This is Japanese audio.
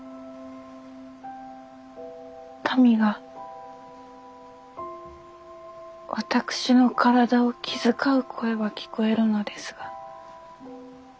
民が私の体を気遣う声は聞こえるのですが。